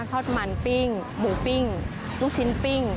ทอดมันปิ้งหมูปิ้งลูกชิ้นปิ้ง